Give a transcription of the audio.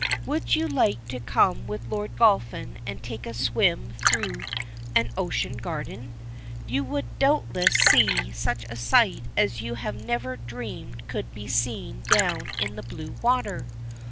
Would you like to come with Lord Dolphin and take a swim through an ocean garden? You would doubtless see such a sight as you had never dreamed could be seen down in the blue water.